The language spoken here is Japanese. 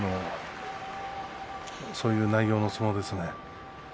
そういう内容の相撲ですね。